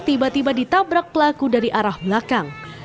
tiba tiba ditabrak pelaku dari arah belakang